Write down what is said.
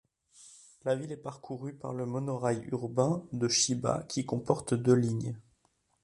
La ville est parcourue par le monorail urbain de Chiba qui comporte deux lignes.